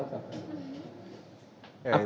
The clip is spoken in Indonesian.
apa betul begitu